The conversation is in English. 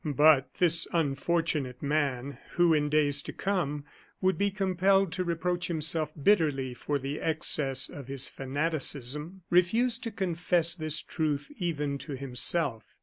But this unfortunate man, who, in days to come, would be compelled to reproach himself bitterly for the excess of his fanaticism, refused to confess this truth even to himself.